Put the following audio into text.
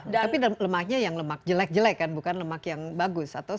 tapi lemaknya yang lemak jelek jelek kan bukan lemak yang bagus